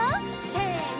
せの！